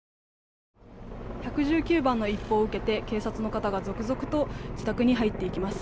１１９番の一報を受けて警察の方が続々と自宅に入っていきます。